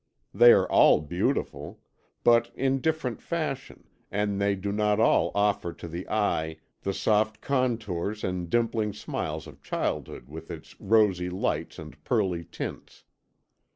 They are all beautiful; but in different fashion, and they do not all offer to the eye the soft contours and dimpling smiles of childhood with its rosy lights and pearly tints.